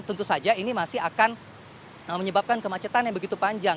tentu saja ini masih akan menyebabkan kemacetan yang begitu panjang